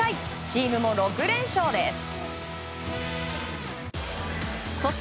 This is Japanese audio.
チームも６連勝です。